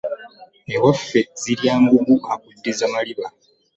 Ewaffe zirya ngugu akuddiza maliba .